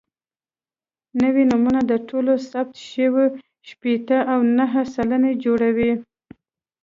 نوي نومونه د ټولو ثبت شویو شپېته او نهه سلنه جوړوي.